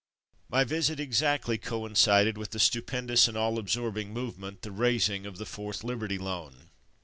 My visit exactly coincided with the stu pendous and all absorbing movement — the raising of the Fourth Liberty Loan.